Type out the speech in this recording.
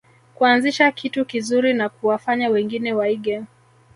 Kuanzisha kitu kizuri na kuwafanya wengine waige